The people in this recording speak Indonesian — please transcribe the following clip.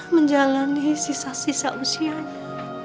menjalani sisa sisa usianya